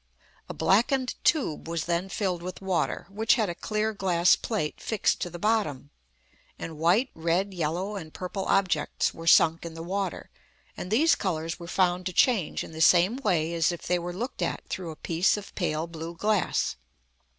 A blackened tube was then filled with water (which had a clear glass plate fixed to the bottom), and white, red, yellow, and purple objects were sunk in the water, and these colours were found to change in the same way as if they were looked at through a piece of pale blue glass.